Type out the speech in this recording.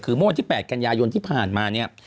คือโมงที่๘กันยายนที่ผ่านมา